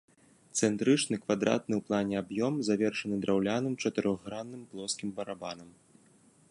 Цэнтрычны квадратны ў плане аб'ём завершаны драўляным чатырохгранным плоскім барабанам.